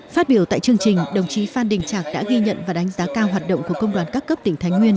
phát biểu tại chương trình đồng chí phan đình trạc đã ghi nhận và đánh giá cao hoạt động của công đoàn các cấp tỉnh thái nguyên